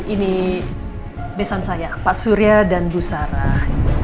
ini pesan saya pak surya dan bu sarah